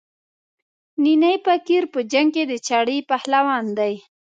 نینی فقیر په جنګ کې د چړې پهلوان دی.